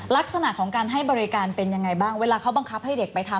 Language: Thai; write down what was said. ลักษณะของการให้บริการเป็นยังไงบ้างเวลาเขาบังคับให้เด็กไปทำ